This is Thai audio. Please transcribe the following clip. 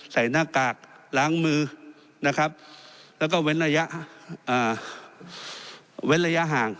ใส่หน้ากากล้างมือแล้วก็เว้นระยะห่าง